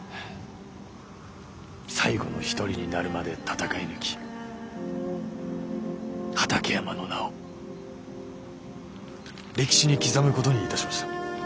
最後の一人になるまで戦い抜き畠山の名を歴史に刻むことにいたしました。